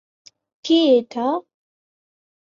কী এটা?